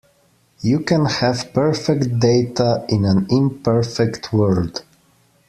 You can have perfect data in an imperfect world.